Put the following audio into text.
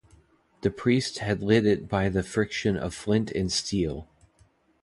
The priest had lit it by the friction of flint and steel.